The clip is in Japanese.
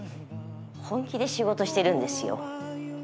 本気で仕事してるんですよ。